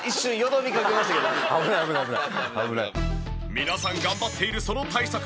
皆さん頑張っているその対策